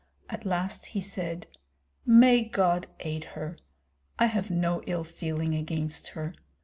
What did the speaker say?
At last he said, "May God aid her! I have no ill feeling against her!